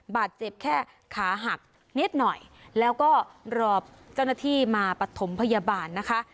บาดเจ็บแค่ขาหักนิดหน่อยแล้วก็รอเจ้าหน้าที่มาปฐมพยาบาลนะคะ